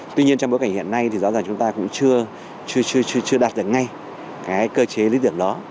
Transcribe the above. tuy nhiên trong bối cảnh hiện nay thì rõ ràng chúng ta cũng chưa đạt được ngay cơ chế lý tưởng đó